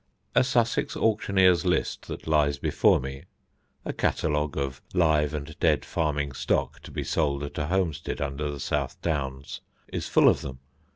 A Sussex auctioneer's list that lies before me a catalogue of live and dead farming stock to be sold at a homestead under the South Downs is full of them.